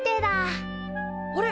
あれ？